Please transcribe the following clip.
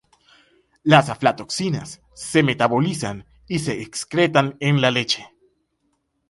Las aflatoxinas se metabolizan y se excretan en la leche.